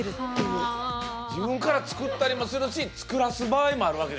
自分から作ったりもするし作らす場合もあるわけですね。